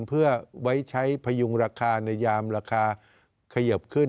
เพื่อไว้ใช้พยุงราคาในยามราคาเขยิบขึ้น